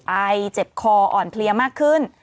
ไอเจ็บคออ่อนเพลียมากขึ้น